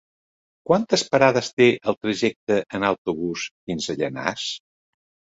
Quantes parades té el trajecte en autobús fins a Llanars?